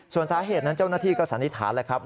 ส่วนสาเหตุนั้นเจ้าหน้าที่ก็สันนิษฐานแล้วครับ